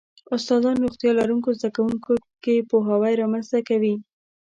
استادان روغتیا لرونکو زده کوونکو کې پوهاوی رامنځته کوي.